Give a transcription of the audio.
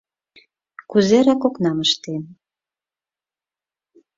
«Кузерак окнам ыштен